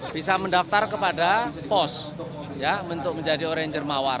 bisa mendaftar kepada pos untuk menjadi oranger mawar